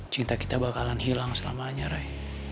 cinta kita bakalan hilang selamanya ray